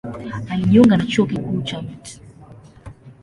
Alijiunga na Chuo Kikuu cha Mt.